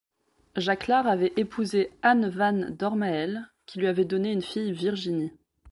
Jacquelart avait épousé Anne van Dormael qui lui avait donné une fille Virginie.